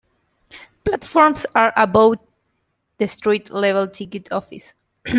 Platforms are above the street level ticket office.